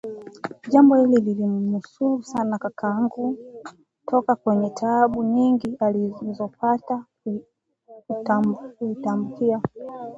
Jambo hili lilimnusuru sana kakangu toka kwenye taabu nyingi alizojipata katumbukia